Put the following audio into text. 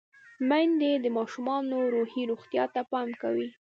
میندې د ماشومانو روحي روغتیا ته پام کوي۔